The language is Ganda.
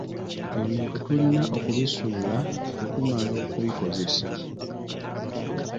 Ebintu tulina okubisuula bwe tumala okubikozesa.